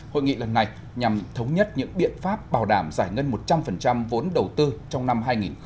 hội nghị lần này nhằm thống nhất những biện pháp bảo đảm giải ngân một trăm linh vốn đầu tư trong năm hai nghìn hai mươi